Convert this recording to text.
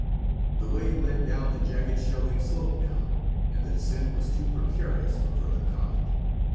The way led down the jagged, shelving slope, now, and the descent was too precarious for further comment.